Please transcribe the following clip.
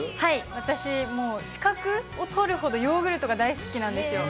私、もう、資格を取るほどヨーグルトが大好きなんですよ。